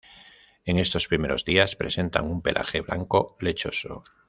En estos primeros días presentan un pelaje blanco lechoso.